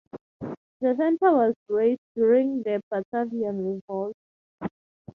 This centre was razed during the Batavian Revolt.